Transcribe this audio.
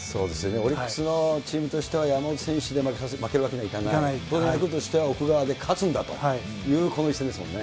オリックスのチームとしては、山本選手で負けるわけにはいかない、オリックスとしては奥川で勝つんだっていうこの一戦ですもんね。